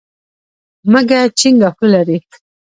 مږه چينګه خوله لري.